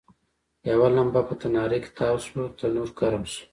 یوه لمبه په تناره کې تاوه شوه، تنور ګرم شو.